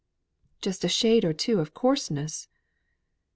"Just a shade or two of coarseness."